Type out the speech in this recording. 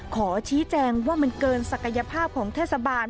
ขอชี้แจงว่ามันเกินศักยภาพของเทศบาล